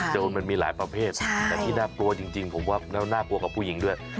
โจรมันมีหลายประเภทแต่ที่น่ากลัวจริงผมว่าแล้วน่ากลัวกับผู้หญิงด้วย